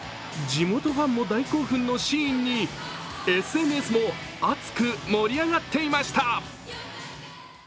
地元ファンも大興奮のシーンにＳＮＳも熱く盛り上がっていました。